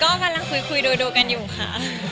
ก็พันละคุยโดยดูกันอยู่ค่ะ